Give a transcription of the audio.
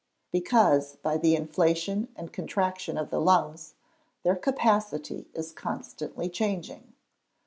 _ Because, by the inflation and contraction of the lungs, their capacity is constantly changing.